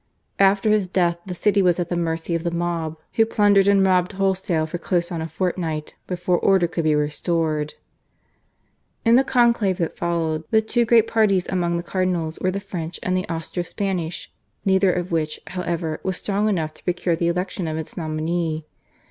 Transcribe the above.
After his death the city was at the mercy of the mob, who plundered and robbed wholesale for close on a fortnight before order could be restored. In the conclave that followed the two great parties among the cardinals were the French and the Austro Spanish, neither of which, however, was strong enough to procure the election of its nominee.